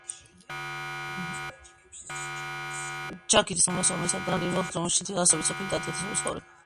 ჯაგირის უმრავლესობა მოიცავდა რამდენიმე ოლქს, რომელშიც შედიოდა ასობით სოფელი და ათიათასობით მცხოვრები.